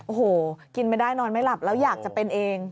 โอ้โหกินไม่ได้นอนไม่หลับแล้วอยากจะเป็นเอง